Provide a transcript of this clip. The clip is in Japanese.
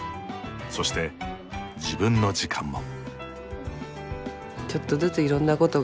そして自分の時間も。